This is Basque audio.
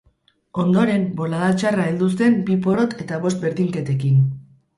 Ondoren bolada txarra heldu zen bi porrot eta bost berdinketekin.